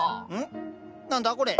何だこれ？